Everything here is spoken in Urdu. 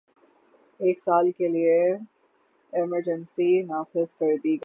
ایک سال کے لیے ایمرجنسی نافذ کر دی گئی